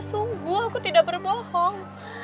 sungguh aku tidak berbohong